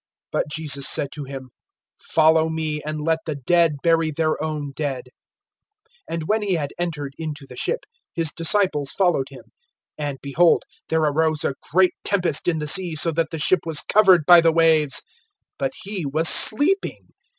(22)But Jesus said to him: Follow me, and let the dead bury their own dead. (23)And when he had entered into the ship, his disciples followed him. (24)And, behold, there arose a great tempest in the sea, so that the ship was covered by the waves; but he was sleeping.